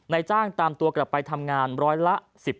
จ้างตามตัวกลับไปทำงานร้อยละ๑๕